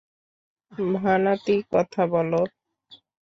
ভানাতি, কথা বলো।